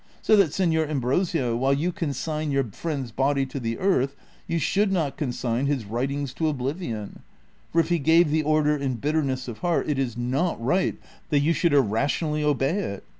So that, Seiior Am brosio, while you consign your friend's body to the earth, you should not consign his writings to oblivion, for if he gave the order in bitterness of heart, it is not right that you should ir rationally obey it.